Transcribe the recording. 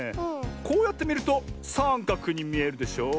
こうやってみるとさんかくにみえるでしょう。